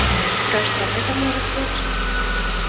Пра што гэта можа сведчыць?